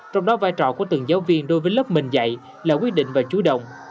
trong đó vai trò của từng giáo viên đối với lớp mình dạy là quyết định và chú động